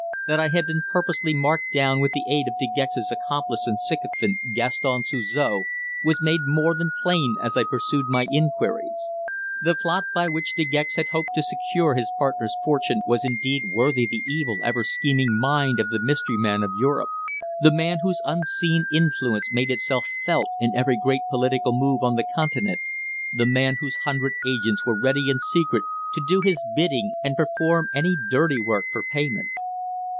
That I had been purposely marked down with the aid of De Gex's accomplice and sycophant, Gaston Suzor, was made more than plain as I pursued my inquiries. The plot by which De Gex had hoped to secure his partner's fortune was indeed worthy the evil ever scheming mind of the mystery man of Europe; the man whose unseen influence made itself felt in every great political move on the Continent the man whose hundred agents were ready in secret to do his bidding and perform any dirty work for payment.